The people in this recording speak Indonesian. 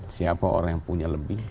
siapa orang yang punya lebih